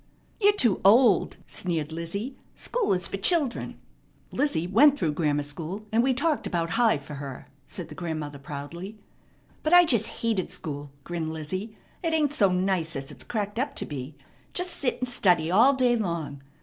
"You're too old!" sneered Lizzie. "School is for children." "Lizzie went through grammar school, and we talked about high for her," said the grandmother proudly. "But I just hated school," grinned Lizzie. "It ain't so nice as it's cracked up to be. Just sit and study all day long.